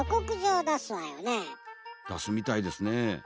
だすみたいですね。